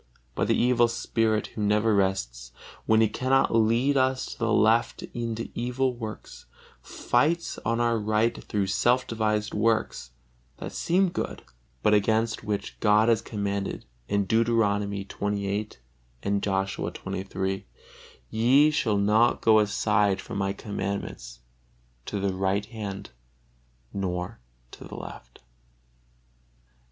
But the evil spirit, who never rests, when he cannot lead us to the left into evil works, fights on our right through self devised works that seem good, but against which God has commanded, Deuteronomy xxviii, and Joshua xxiii, "Ye shall not go aside from My commandments to the right hand or to the left."